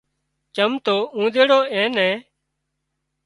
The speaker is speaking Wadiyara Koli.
چم تو اوۮيڙو اين نين